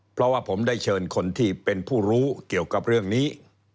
เพราะว่าผมได้เชิญคนที่เป็นผู้รู้เกี่ยวกับเรื่องนี้